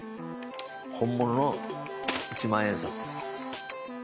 本物の一万円札です。